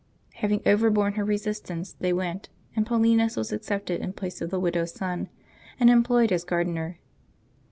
'' Having overborne her resist ance, they went, and Paulinus was accepted in place of the widow's son, and employed as gardener.